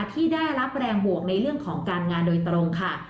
ที่ได้รับแรงบวกในเรื่องของการงานโดยตรงค่ะ